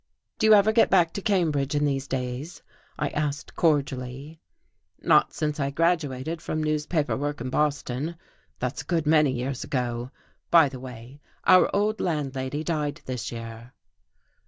"Do you ever get back to Cambridge in these days?" I asked cordially. "Not since I graduated from newspaper work in Boston. That's a good many years ago. By the way, our old landlady died this year."